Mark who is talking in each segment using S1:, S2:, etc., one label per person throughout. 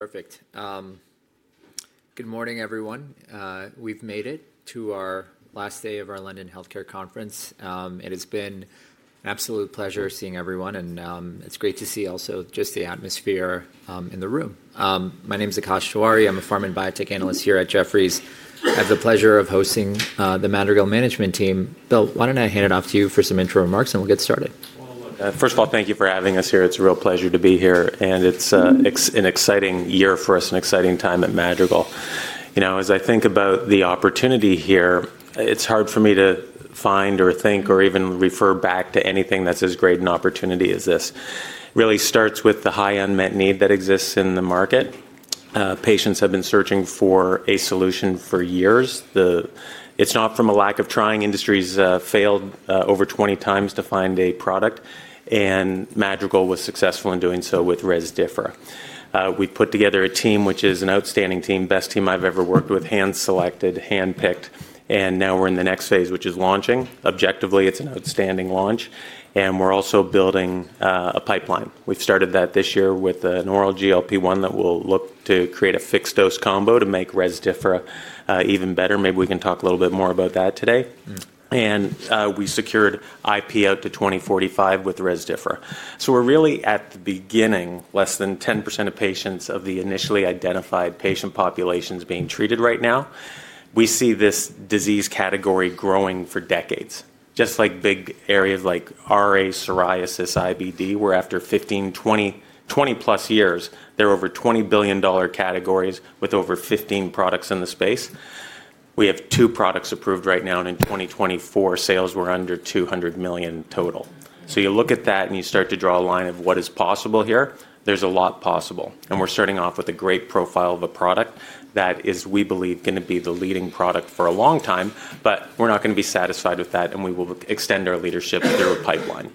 S1: Perfect. Good morning, everyone. We've made it to our last day of our London Healthcare Conference. It has been an absolute pleasure seeing everyone, and it's great to see also just the atmosphere in the room. My name is Akash Tewari. I'm a pharma and biotech analyst here at Jefferies. I have the pleasure of hosting the Madrigal management team. Bill, why don't I hand it off to you for some intro remarks, and we'll get started.
S2: First of all, thank you for having us here. It's a real pleasure to be here, and it's an exciting year for us, an exciting time at Madrigal. As I think about the opportunity here, it's hard for me to find or think or even refer back to anything that's as great an opportunity as this. It really starts with the high unmet need that exists in the market. Patients have been searching for a solution for years. It's not from a lack of trying. Industry's failed over 20x to find a product, and Madrigal was successful in doing so with Rezdiffra. We've put together a team, which is an outstanding team, best team I've ever worked with, hand-selected, hand-picked, and now we're in the next phase, which is launching. Objectively, it's an outstanding launch, and we're also building a pipeline. We've started that this year with an oral GLP-1 that will look to create a fixed-dose combo to make Rezdiffra even better. Maybe we can talk a little bit more about that today. We secured IP out to 2045 with Rezdiffra. We are really at the beginning, less than 10% of patients of the initially identified patient populations being treated right now. We see this disease category growing for decades, just like big areas like RA, psoriasis, IBD, where after 15 years, 20 years, 20+ years, there are over $20 billion categories with over 15 products in the space. We have two products approved right now, and in 2024, sales were under $200 million total. You look at that and you start to draw a line of what is possible here. There's a lot possible, and we're starting off with a great profile of a product that is, we believe, going to be the leading product for a long time. We are not going to be satisfied with that, and we will extend our leadership through a pipeline.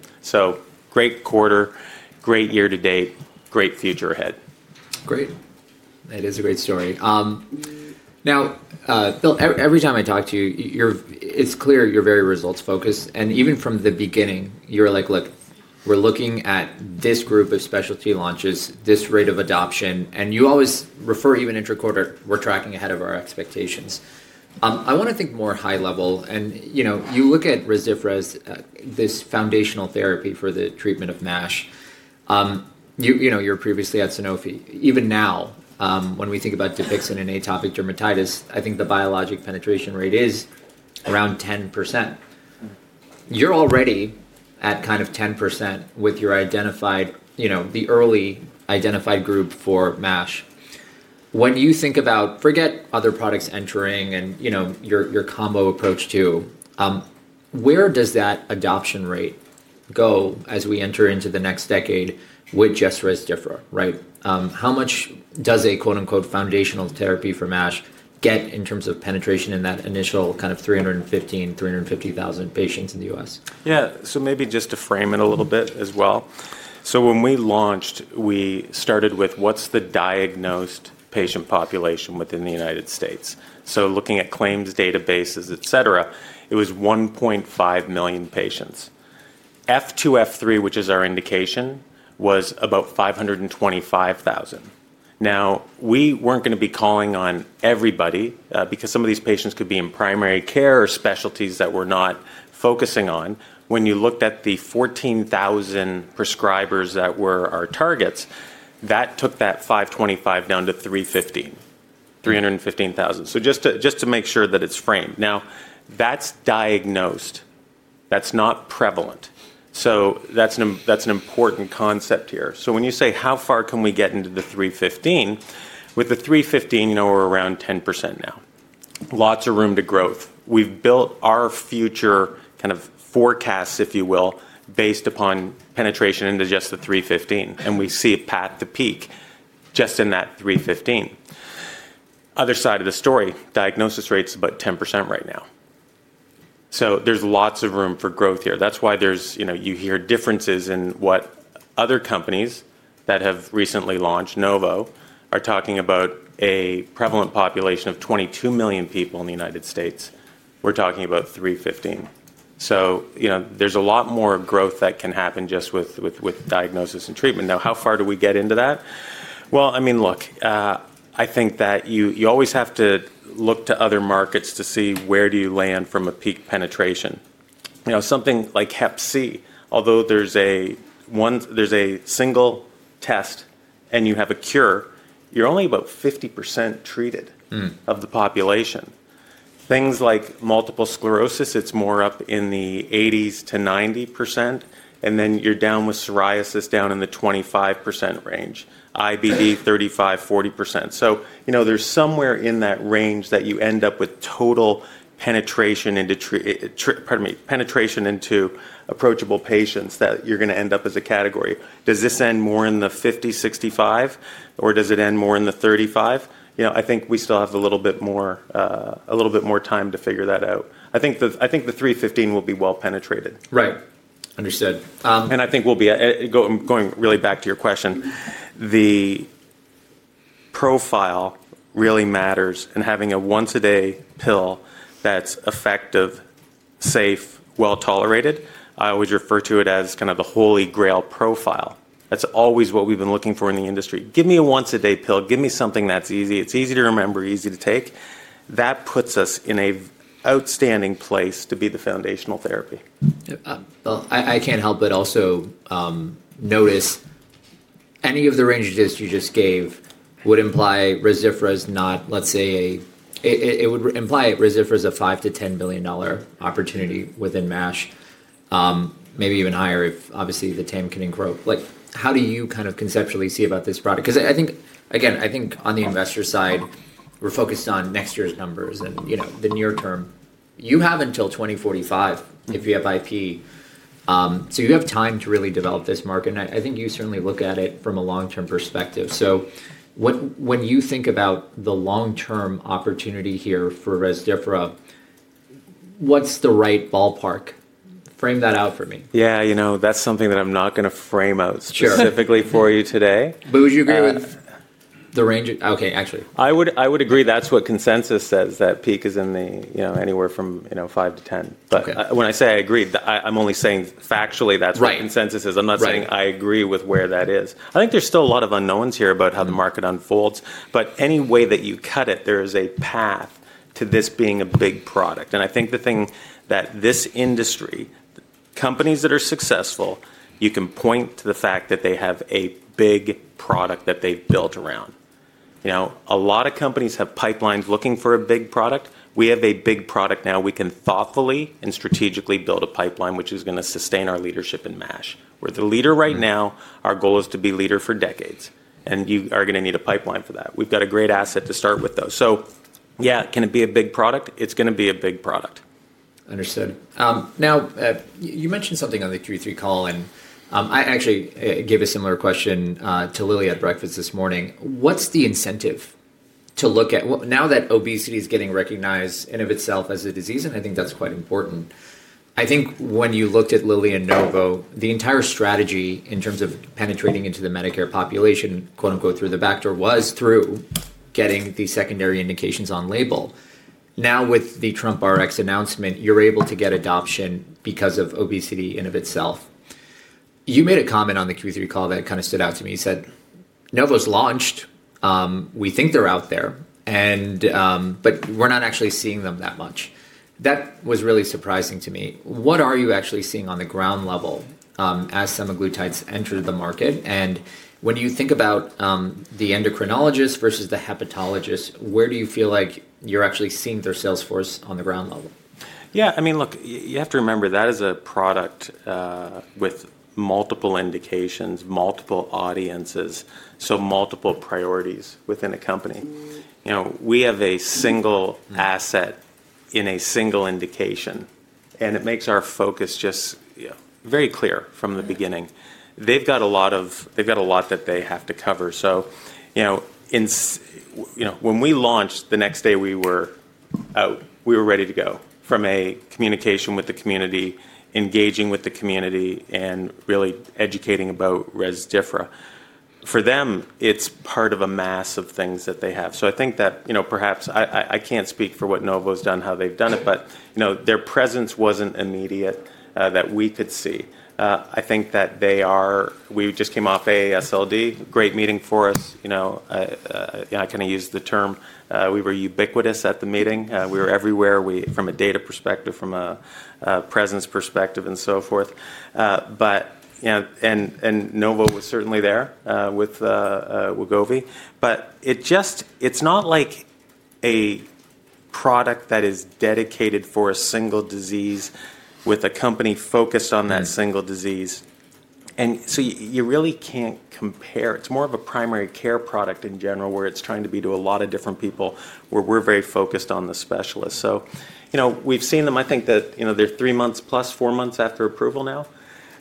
S2: Great quarter, great year to date, great future ahead.
S1: Great. That is a great story. Now, Bill, every time I talk to you, it's clear you're very results-focused, and even from the beginning, you're like, "Look, we're looking at this group of specialty launches, this rate of adoption," and you always refer even intra-quarter, "We're tracking ahead of our expectations." I want to think more high level, and you look at Rezdiffra as this foundational therapy for the treatment of MASH. You're previously at Sanofi. Even now, when we think about Dupixent in atopic dermatitis, I think the biologic penetration rate is around 10%. You're already at kind of 10% with the early identified group for MASH. When you think about, forget other products entering and your combo approach too, where does that adoption rate go as we enter into the next decade with just Rezdiffra, right? How much does a "foundational therapy" for MASH get in terms of penetration in that initial kind of 315,000 patients-350,000 patients in the U.S.?
S2: Yeah. Maybe just to frame it a little bit as well. When we launched, we started with what's the diagnosed patient population within the United States. Looking at claims databases, etc., it was 1.5 million patients. F2, F3, which is our indication, was about 525,000. Now, we weren't going to be calling on everybody because some of these patients could be in primary care or specialties that we're not focusing on. When you looked at the 14,000 prescribers that were our targets, that took that 525,000 down to 315,000, 315,000. Just to make sure that it's framed. Now, that's diagnosed. That's not prevalent. That's an important concept here. When you say, "How far can we get into the 315,000?" With the 315,000, we're around 10% now. Lots of room to grow. We've built our future kind of forecasts, if you will, based upon penetration into just the 315,000, and we see a path to peak just in that 315,000. Other side of the story, diagnosis rate's about 10% right now. There's lots of room for growth here. That's why you hear differences in what other companies that have recently launched, Novo, are talking about a prevalent population of 22 million people in the United States. We're talking about 315,000. There's a lot more growth that can happen just with diagnosis and treatment. Now, how far do we get into that? I mean, look, I think that you always have to look to other markets to see where do you land from a peak penetration. Something like Hep C, although there's a single test and you have a cure, you're only about 50% treated of the population. Things like multiple sclerosis, it's more up in the 80%-90% range, and then you're down with psoriasis down in the 25% range, IBD 35%-40%. There is somewhere in that range that you end up with total penetration into, pardon me, penetration into approachable patients that you're going to end up as a category. Does this end more in the 50%-65%, or does it end more in the 35%? I think we still have a little bit more time to figure that out. I think the 315,000 will be well penetrated.
S1: Right. Understood.
S2: I think we'll be going really back to your question. The profile really matters in having a once-a-day pill that's effective, safe, well-tolerated. I always refer to it as kind of the holy grail profile. That's always what we've been looking for in the industry. Give me a once-a-day pill. Give me something that's easy. It's easy to remember, easy to take. That puts us in an outstanding place to be the foundational therapy.
S1: Bill, I can't help but also notice any of the ranges you just gave would imply Rezdiffra's not, let's say, it would imply Rezdiffra's a $5 billion-$10 billion opportunity within MASH, maybe even higher if, obviously, the TAM can incorporate. How do you kind of conceptually see about this product? Because I think, again, I think on the investor side, we're focused on next year's numbers and the near term. You have until 2045 if you have IP. You have time to really develop this market, and I think you certainly look at it from a long-term perspective. When you think about the long-term opportunity here for Rezdiffra, what's the right ballpark? Frame that out for me.
S2: Yeah. You know that's something that I'm not going to frame out specifically for you today.
S1: Would you agree with the range? Okay. Actually.
S2: I would agree that's what consensus says, that peak is anywhere from $5 billion-$10 billion. When I say I agree, I'm only saying factually that's what consensus is. I'm not saying I agree with where that is. I think there's still a lot of unknowns here about how the market unfolds, but any way that you cut it, there is a path to this being a big product. I think the thing that this industry, companies that are successful, you can point to the fact that they have a big product that they've built around. A lot of companies have pipelines looking for a big product. We have a big product now. We can thoughtfully and strategically build a pipeline which is going to sustain our leadership in MASH. We're the leader right now. Our goal is to be leader for decades, and you are going to need a pipeline for that. We've got a great asset to start with, though. Yeah, can it be a big product? It's going to be a big product.
S1: Understood. Now, you mentioned something on the Q3 call, and I actually gave a similar question to Lilly at breakfast this morning. What's the incentive to look at now that obesity is getting recognized in and of itself as a disease? I think that's quite important. I think when you looked at Lilly and Novo, the entire strategy in terms of penetrating into the Medicare population, quote-unquote, "through the back door" was through getting the secondary indications on label. Now, with the TrumpRx announcement, you're able to get adoption because of obesity in and of itself. You made a comment on the Q3 call that kind of stood out to me. You said, "Novo's launched. We think they're out there, but we're not actually seeing them that much." That was really surprising to me. What are you actually seeing on the ground level as semaglutides enter the market? When you think about the endocrinologists versus the hepatologists, where do you feel like you're actually seeing their sales force on the ground level?
S2: Yeah. I mean, look, you have to remember that is a product with multiple indications, multiple audiences, so multiple priorities within a company. We have a single asset in a single indication, and it makes our focus just very clear from the beginning. They've got a lot that they have to cover. When we launched, the next day we were out, we were ready to go from a communication with the community, engaging with the community, and really educating about Rezdiffra. For them, it's part of a mass of things that they have. I think that perhaps I can't speak for what Novo's done, how they've done it, but their presence wasn't immediate that we could see. I think that they are—we just came off AASLD. Great meeting for us. I kind of used the term. We were ubiquitous at the meeting. We were everywhere from a data perspective, from a presence perspective, and so forth. Novo was certainly there with Wegovy. It is not like a product that is dedicated for a single disease with a company focused on that single disease. You really cannot compare. It is more of a primary care product in general where it is trying to be to a lot of different people where we are very focused on the specialist. We have seen them. I think that they are three months plus, four months after approval now.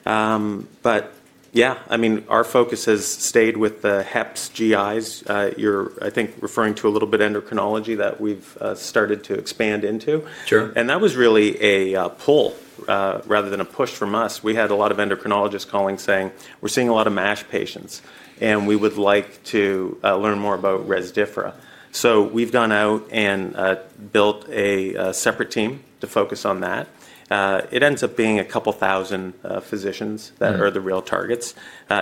S2: I mean, our focus has stayed with the Heps/GIs. You are, I think, referring to a little bit of endocrinology that we have started to expand into. That was really a pull rather than a push from us. We had a lot of endocrinologists calling saying, "We're seeing a lot of MASH patients, and we would like to learn more about Rezdiffra." We have gone out and built a separate team to focus on that. It ends up being a couple thousand physicians that are the real targets.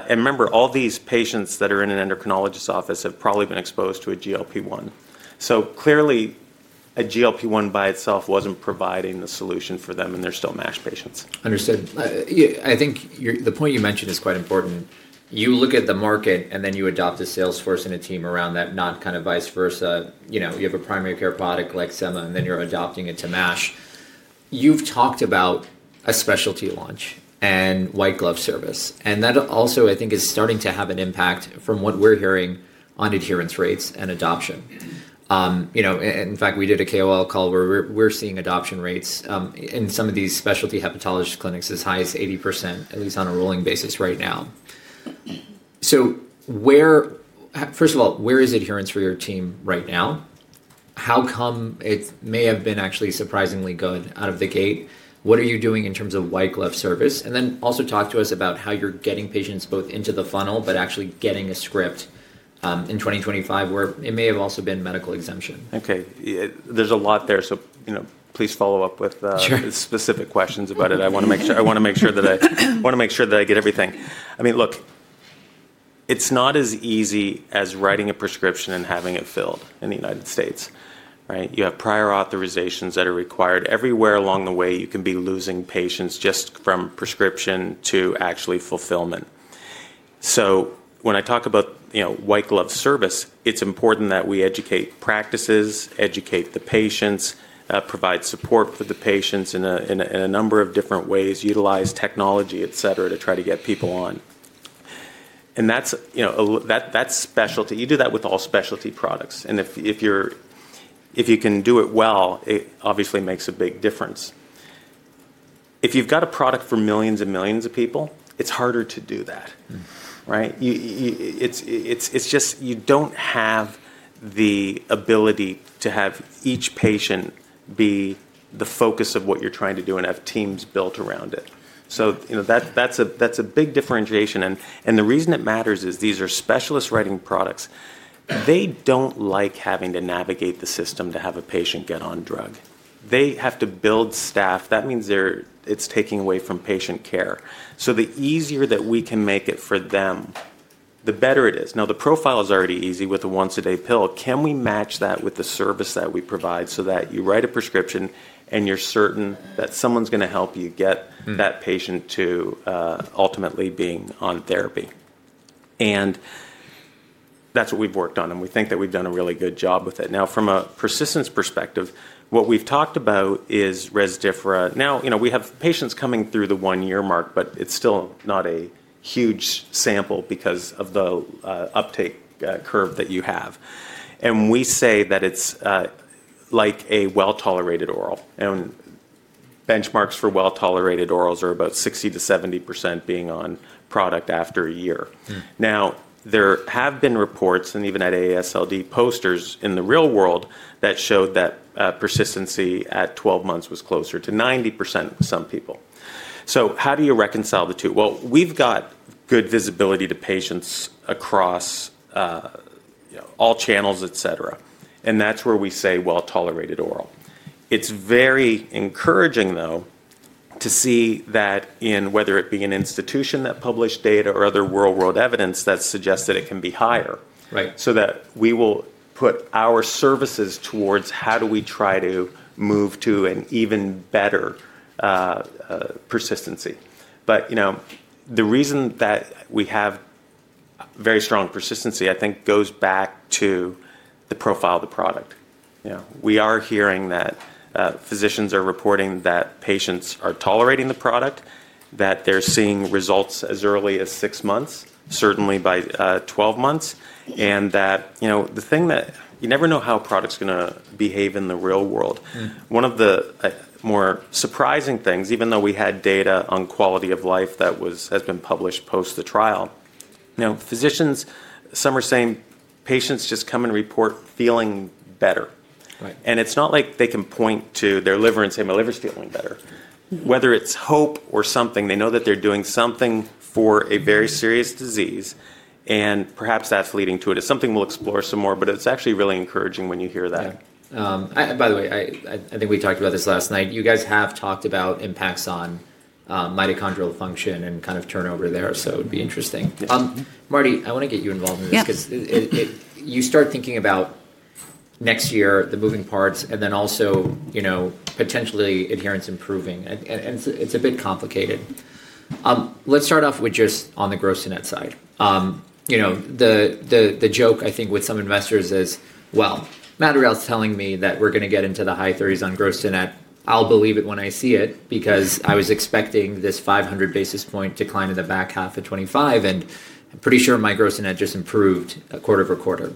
S2: Remember, all these patients that are in an endocrinologist's office have probably been exposed to a GLP-1. Clearly, a GLP-1 by itself was not providing the solution for them, and they are still MASH patients.
S1: Understood. I think the point you mentioned is quite important. You look at the market, and then you adopt a sales force and a team around that, not kind of vice versa. You have a primary care product like sema, and then you're adopting it to MASH. You've talked about a specialty launch and white-glove service, and that also, I think, is starting to have an impact from what we're hearing on adherence rates and adoption. In fact, we did a KOL call where we're seeing adoption rates in some of these specialty hepatologist clinics as high as 80%, at least on a rolling basis right now. First of all, where is adherence for your team right now? How come it may have been actually surprisingly good out of the gate? What are you doing in terms of white-glove service? Also talk to us about how you're getting patients both into the funnel but actually getting a script in 2025 where it may have also been medical exemption.
S2: Okay. There's a lot there, so please follow up with specific questions about it. I want to make sure that I get everything. I mean, look, it's not as easy as writing a prescription and having it filled in the United States, right? You have prior authorizations that are required. Everywhere along the way, you can be losing patients just from prescription to actually fulfillment. When I talk about white-glove service, it's important that we educate practices, educate the patients, provide support for the patients in a number of different ways, utilize technology, etc., to try to get people on. That's specialty. You do that with all specialty products. If you can do it well, it obviously makes a big difference. If you've got a product for millions and millions of people, it's harder to do that, right? It's just you don't have the ability to have each patient be the focus of what you're trying to do and have teams built around it. That is a big differentiation. The reason it matters is these are specialist-writing products. They don't like having to navigate the system to have a patient get on drug. They have to build staff. That means it's taking away from patient care. The easier that we can make it for them, the better it is. Now, the profile is already easy with a once-a-day pill. Can we match that with the service that we provide so that you write a prescription and you're certain that someone's going to help you get that patient to ultimately being on therapy? That is what we've worked on, and we think that we've done a really good job with it. Now, from a persistence perspective, what we've talked about is Rezdiffra. Now, we have patients coming through the one-year mark, but it's still not a huge sample because of the uptake curve that you have. We say that it's like a well-tolerated oral. Benchmarks for well-tolerated orals are about 60%-70% being on product after a year. There have been reports, and even at AASLD, posters in the real world that showed that persistency at 12 months was closer to 90% with some people. How do you reconcile the two? We've got good visibility to patients across all channels, etc., and that's where we say well-tolerated oral. It's very encouraging, though, to see that in whether it be an institution that published data or other real-world evidence that suggests that it can be higher so that we will put our services towards how do we try to move to an even better persistency. The reason that we have very strong persistency, I think, goes back to the profile of the product. We are hearing that physicians are reporting that patients are tolerating the product, that they're seeing results as early as six months, certainly by 12 months, and that the thing that you never know how a product's going to behave in the real world. One of the more surprising things, even though we had data on quality of life that has been published post-the trial, physicians, some are saying patients just come and report feeling better. It is not like they can point to their liver and say, "My liver's feeling better." Whether it is hope or something, they know that they are doing something for a very serious disease, and perhaps that is leading to it. It is something we will explore some more, but it is actually really encouraging when you hear that.
S1: By the way, I think we talked about this last night. You guys have talked about impacts on mitochondrial function and kind of turnover there, so it'd be interesting. Mardi, I want to get you involved in this because you start thinking about next year, the moving parts, and then also potentially adherence improving. It is a bit complicated. Let's start off with Gross to Net side. the joke, I think, with some investors is, "Well, Madrigal's telling me that we're going to get into the Gross to Net. i'll believe it when I see it because I was expecting this 500 basis point decline in the back half of 2025, and I'm Gross to Net just improved a quarter of a quarter."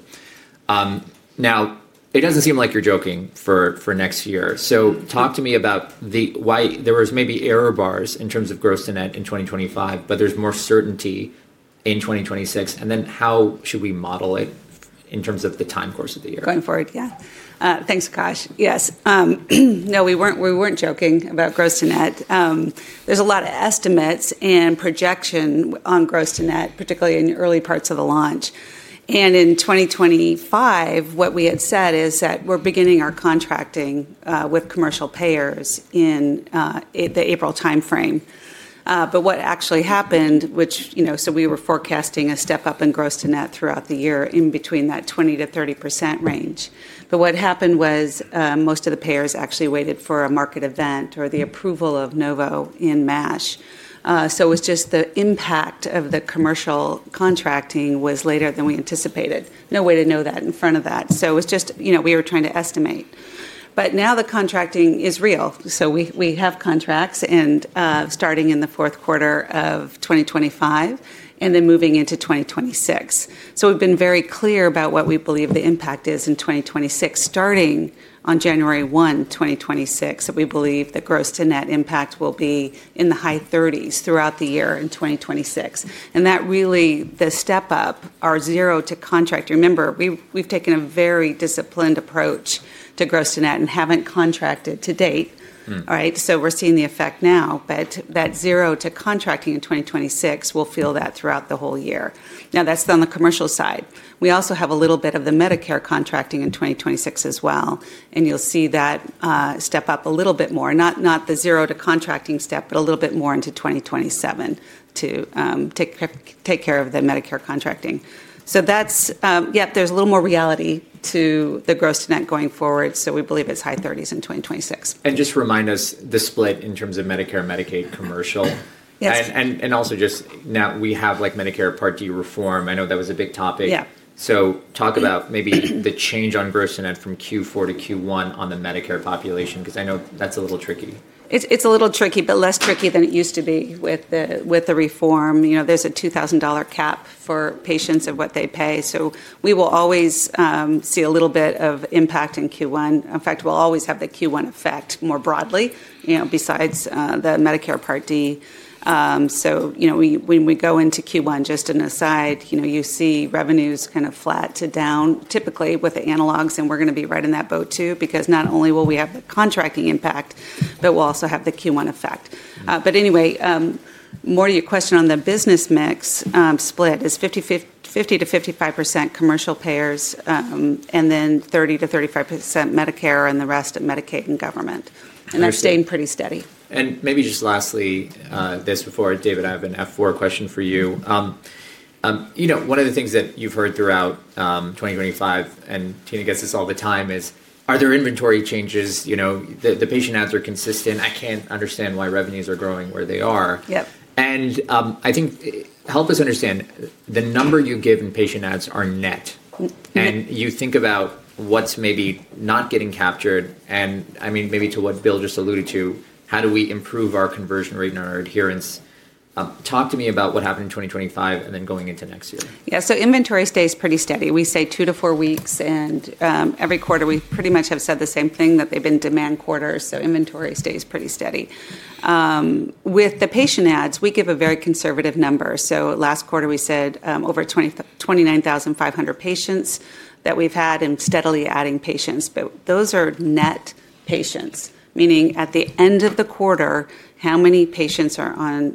S1: Now, it does not seem like you're joking for next year. Talk to me about why there was maybe error bars Gross to Net in 2025, but there's more certainty in 2026. And then how should we model it in terms of the time course of the year?
S3: Going forward, yeah. Thanks, Akash. Yes. No, we weren't joking about Gross to Net. there is a lot of estimates Gross to Net, particularly in early parts of the launch. In 2025, what we had said is that we are beginning our contracting with commercial payers in the April timeframe. What actually happened, which, we were forecasting a Gross to Net throughout the year in between that 20%-30% range. What happened was most of the payers actually waited for a market event or the approval of Novo in MASH. It was just the impact of the commercial contracting was later than we anticipated. No way to know that in front of that. We were trying to estimate. Now the contracting is real. We have contracts starting in the fourth quarter of 2025 and then moving into 2026. We have been very clear about what we believe the impact is in 2026, starting on January 1, 2026, that Gross to Net impact will be in the high 30s throughout the year in 2026. That really, the step up, our zero to contract, remember, we have taken a very Gross to Net and have not contracted to date, right? We are seeing the effect now, but that zero to contracting in 2026, we will feel that throughout the whole year. That is done on the commercial side. We also have a little bit of the Medicare contracting in 2026 as well, and you will see that step up a little bit more. Not the zero to contracting step, but a little bit more into 2027 to take care of the Medicare contracting. Yep, there's a little more Gross to Net going forward, so we believe it's high 30s in 2026.
S1: Just remind us the split in terms of Medicare, Medicaid, commercial.
S3: Yes.
S1: We also just now have Medicare Part D reform. I know that was a big topic. Talk about maybe Gross to Net from Q4 to Q1 on the Medicare population because I know that's a little tricky.
S3: It's a little tricky, but less tricky than it used to be with the reform. There's a $2,000 cap for patients of what they pay. We will always see a little bit of impact in Q1. In fact, we'll always have the Q1 effect more broadly besides the Medicare Part D. When we go into Q1, just an aside, you see revenues kind of flat to down typically with the analogs, and we're going to be right in that boat too because not only will we have the contracting impact, but we'll also have the Q1 effect. Anyway, more to your question on the business mix split is 50%-55% commercial payers and then 30%-35% Medicare and the rest of Medicaid and government. That's staying pretty steady.
S1: Maybe just lastly, before David, I have an F4 question for you. One of the things that you've heard throughout 2025, and Tina gets this all the time, is, "Are there inventory changes? The patient ads are consistent. I can't understand why revenues are growing where they are." I think help us understand the number you give in patient ads are net, and you think about what's maybe not getting captured. I mean, maybe to what Bill just alluded to, how do we improve our conversion rate and our adherence? Talk to me about what happened in 2025 and then going into next year.
S3: Yeah. Inventory stays pretty steady. We say two to four weeks, and every quarter we pretty much have said the same thing that they've been demand quarters. Inventory stays pretty steady. With the patient ads, we give a very conservative number. Last quarter, we said over 29,500 patients that we've had and steadily adding patients. Those are net patients, meaning at the end of the quarter, how many patients are on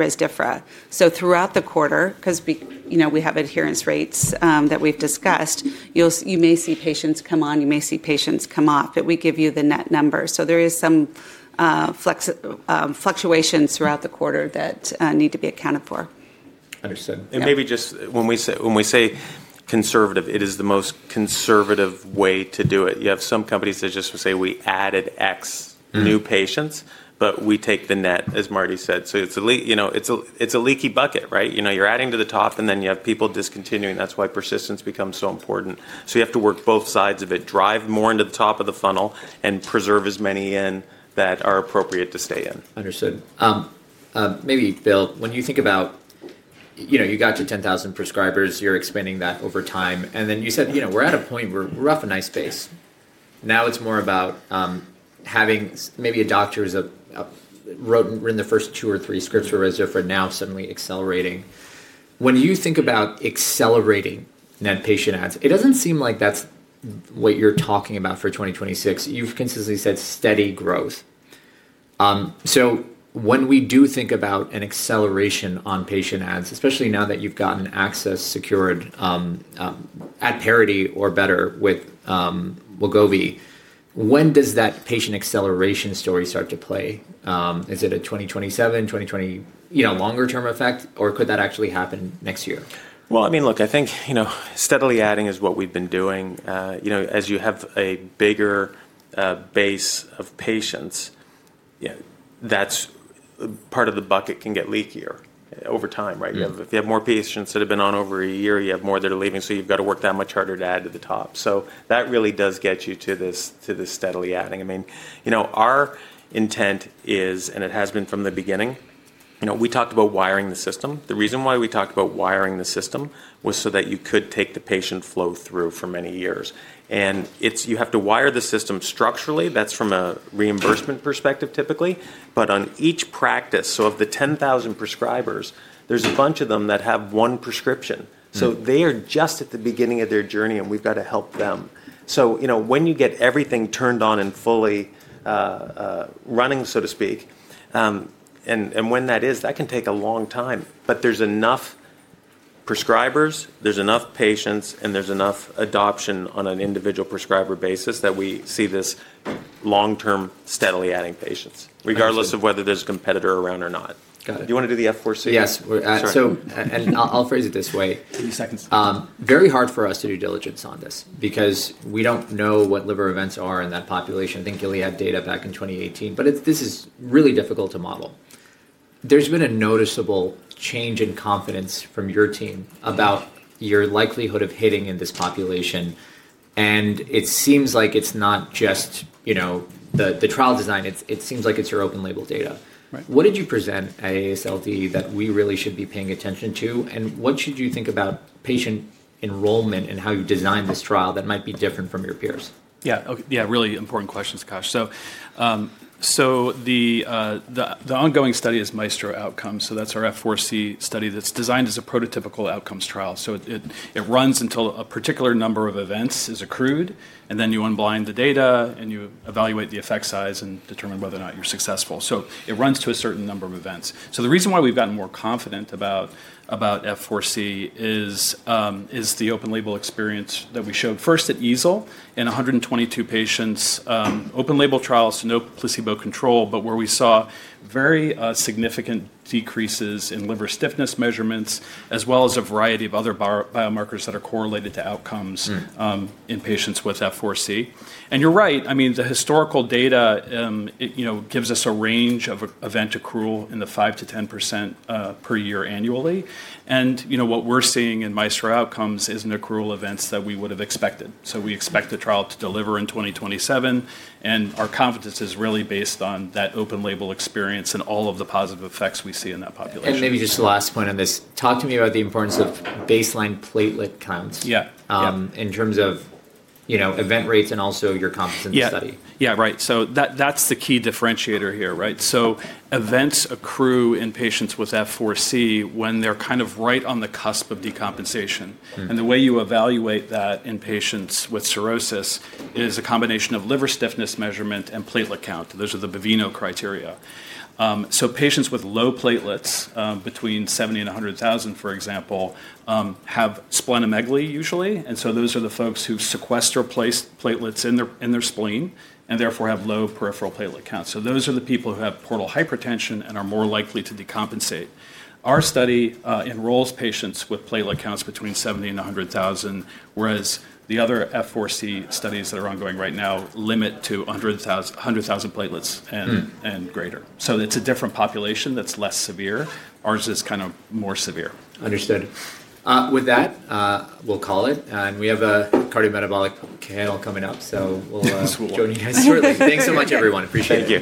S3: Rezdiffra. Throughout the quarter, because we have adherence rates that we've discussed, you may see patients come on, you may see patients come off, but we give you the net number. There is some fluctuation throughout the quarter that need to be accounted for.
S1: Understood.
S2: Maybe just when we say conservative, it is the most conservative way to do it. You have some companies that just will say, "We added X new patients, but we take the net," as Mardi said. It is a leaky bucket, right? You are adding to the top, and then you have people discontinuing. That is why persistence becomes so important. You have to work both sides of it, drive more into the top of the funnel, and preserve as many in that are appropriate to stay in.
S1: Understood. Maybe, Bill, when you think about you got your 10,000 prescribers, you are expanding that over time. You said, "We are at a point where we are off a nice pace." Now it is more about having maybe a doctor who wrote in the first two or three scripts for Rezdiffra now suddenly accelerating. When you think about accelerating net patient ads, it doesn't seem like that's what you're talking about for 2026. You've consistently said steady growth. When we do think about an acceleration on patient ads, especially now that you've gotten access secured at parity or better with Wegovy, when does that patient acceleration story start to play? Is it a 2027, 2028 longer-term effect, or could that actually happen next year?
S2: I mean, look, I think steadily adding is what we've been doing. As you have a bigger base of patients, that's part of the bucket can get leakier over time, right? If you have more patients that have been on over a year, you have more that are leaving, so you've got to work that much harder to add to the top. That really does get you to this steadily adding. I mean, our intent is, and it has been from the beginning, we talked about wiring the system. The reason why we talked about wiring the system was so that you could take the patient flow through for many years. You have to wire the system structurally. That's from a reimbursement perspective, typically. On each practice, so of the 10,000 prescribers, there's a bunch of them that have one prescription. They are just at the beginning of their journey, and we've got to help them. When you get everything turned on and fully running, so to speak, and when that is, that can take a long time, but there's enough prescribers, there's enough patients, and there's enough adoption on an individual prescriber basis that we see this long-term steadily adding patients, regardless of whether there's a competitor around or not.
S1: Got it.
S2: Do you want to do the F4 series?
S1: Yes. I'll phrase it this way.
S2: Two seconds.
S1: Very hard for us to do diligence on this because we do not know what liver events are in that population. I think Lilly had data back in 2018, but this is really difficult to model. There has been a noticeable change in confidence from your team about your likelihood of hitting in this population. It seems like it is not just the trial design. It seems like it is your open-label data. What did you present at AASLD that we really should be paying attention to? What should you think about patient enrollment and how you design this trial that might be different from your peers?
S2: Yeah. Yeah. Really important questions, Akash. The ongoing study is MAESTRO OUTCOMES. That's our F4c study that's designed as a prototypical outcomes trial. It runs until a particular number of events is accrued, and then you unblind the data, and you evaluate the effect size and determine whether or not you're successful. It runs to a certain number of events. The reason why we've gotten more confident about F4c is the open-label experience that we showed first at EASL in 122 patients, open-label trials, so no placebo control, but where we saw very significant decreases in liver stiffness measurements, as well as a variety of other biomarkers that are correlated to outcomes in patients with F4c. You're right. I mean, the historical data gives us a range of event accrual in the 5%-10% per year annually. What we're seeing in MAESTRO OUTCOMES isn't accrual events that we would have expected. We expect the trial to deliver in 2027, and our confidence is really based on that open-label experience and all of the positive effects we see in that population.
S1: Maybe just the last point on this. Talk to me about the importance of baseline platelet counts in terms of event rates and also your competency study.
S2: Yeah. Yeah, right. That's the key differentiator here, right? Events accrue in patients with F4c when they're kind of right on the cusp of decompensation. The way you evaluate that in patients with cirrhosis is a combination of liver stiffness measurement and platelet count. Those are the Baveno criteria. Patients with low platelets between 70,000 and 100,000, for example, have splenomegaly usually. Those are the folks who sequester platelets in their spleen and therefore have low peripheral platelet counts. Those are the people who have portal hypertension and are more likely to decompensate. Our study enrolls patients with platelet counts between 70,000 and 100,000, whereas the other F4c studies that are ongoing right now limit to 100,000 platelets and greater. It's a different population that's less severe. Ours is kind of more severe.
S1: Understood. With that, we'll call it. We have a cardiometabolic panel coming up, so we'll join you guys shortly. Thanks so much, everyone. Appreciate it.
S2: Thank you.